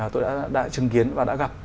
tôi đã chứng kiến và đã gặp